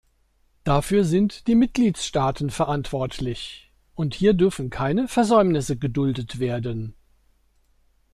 Dafür sind die Mitgliedstaaten verantwortlich, und hier dürfen keine Versäumnisse geduldet werden.